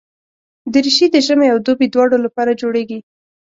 دریشي د ژمي او دوبي دواړو لپاره جوړېږي.